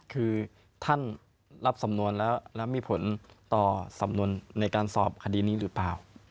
คือท่านรับสำนวนแล้วแล้วมีผลต่อสำนวนในการสอบคดีนี้หรือเปล่า